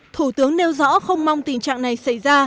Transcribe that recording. thủ tướng nêu rõ không mong tình trạng này xảy ra